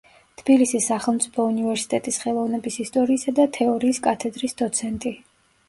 თბილისის სახელმწიფო უნივერსიტეტის ხელოვნების ისტორიისა და თეორიის კათედრის დოცენტი.